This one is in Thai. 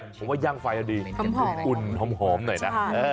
ผมว่าย่างไฟดีอุ่นหอมหน่อยนะ